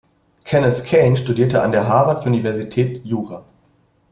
Kenneth Cain studierte an der Harvard-Universität Jura.